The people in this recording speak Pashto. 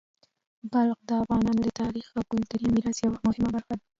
بلخ د افغانانو د تاریخي او کلتوري میراث یوه مهمه برخه ده.